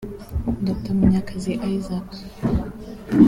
Dr Munyakazi Isaac